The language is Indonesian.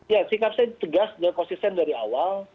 ya sikap saya tegas dan konsisten dari awal